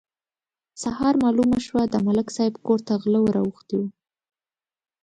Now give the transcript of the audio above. سهار مالومه شوه: د ملک صاحب کور ته غله ور اوښتي وو.